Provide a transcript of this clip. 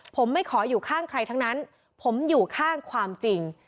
ผมไม่ขออยู่ข้างใครทั้งนั้นผมอยู่ข้างความจริง